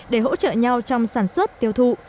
để hỗ trợ nhau trong sản xuất tiêu thụ